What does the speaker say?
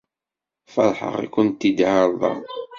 Ferḥeɣ i kent-id-iεerḍen.